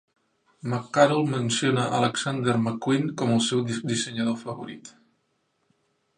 McCarroll menciona Alexander McQueen com el seu dissenyador favorit.